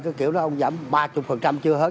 cái kiểu đó ông giảm ba mươi chưa hết